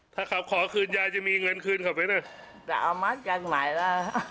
ถ้าครับขอคืนยายจะมีเงินคืนค่ะเฟ้ยน่ะจะเอามาจากไหนล่ะ